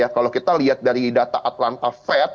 kalau kita lihat dari data atlanta fed